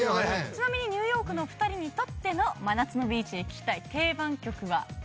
ちなみにニューヨークのお二人にとっての真夏のビーチで聴きたい定番曲は何でしょうか？